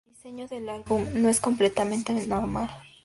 El diseño del álbum no es completamente normal.